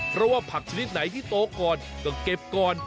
เพราะว่าผักชนิดไหนที่โตก่อนก็เก็บก่อน